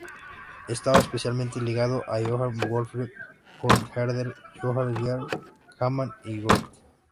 Estaba especialmente ligado a Johann Gottfried von Herder, Johann Georg Hamann y Goethe.